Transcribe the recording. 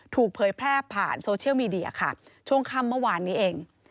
เผยแพร่ผ่านโซเชียลมีเดียค่ะช่วงค่ำเมื่อวานนี้เอง